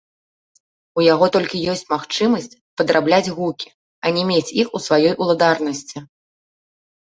У яго толькі ёсць магчымасць падрабляць гукі, а не мець іх у сваёй уладарнасці.